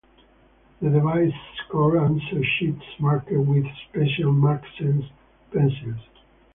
The device scored answer sheets marked with special "mark sense" pencils.